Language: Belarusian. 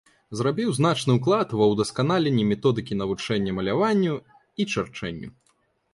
Зрабіў значны ўклад ва ўдасканаленне методыкі навучання маляванню і чарчэнню.